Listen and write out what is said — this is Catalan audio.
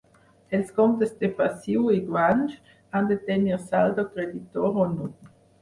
Els comptes de passiu i guanys han de tenir saldo creditor o nul.